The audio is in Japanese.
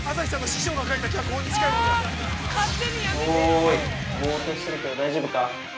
◆おい、ぼーっとしてるけど大丈夫か？